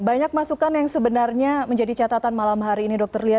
banyak masukan yang sebenarnya menjadi catatan malam hari ini dokter lia